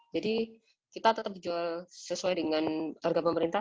jadi kita tetap jual sesuai dengan harga pemerintah